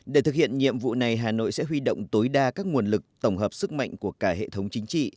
để thực hiện nhiệm vụ này hà nội sẽ huy động tối đa các nguồn lực tổng hợp sức mạnh của cả hệ thống chính trị